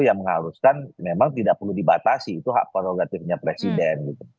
yang mengharuskan memang tidak perlu dibatasi itu hak prerogatifnya presiden